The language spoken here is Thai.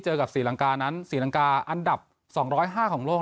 เจอกับศรีรังกานั้นศรีรังกาอันดับสองร้อยห้าของโลก